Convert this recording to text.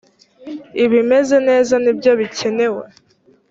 ibimeze neza nibyo bikenewe.